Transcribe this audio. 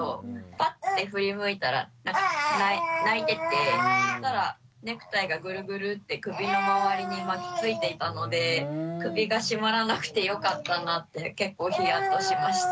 パッて振り向いたら泣いててそしたらネクタイがグルグルッて首の周りに巻きついていたので首が絞まらなくてよかったなって結構ヒヤッとしました。